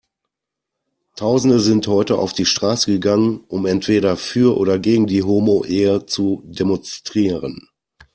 Tausende sind heute auf die Straße gegangen, um entweder für oder gegen die Homoehe zu demonstrieren.